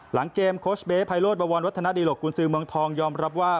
หลังเกมโค้ชเบ๊ไพโรธบวรวัฒนาดีหกกุญสือเมืองทองยอมรับว่า